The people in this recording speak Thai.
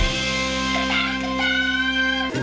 ทุกคนท่านบุญฟังอัตแลนด์